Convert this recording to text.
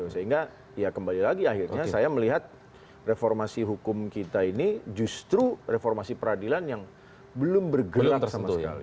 sehingga ya kembali lagi akhirnya saya melihat reformasi hukum kita ini justru reformasi peradilan yang belum bergerak sama sekali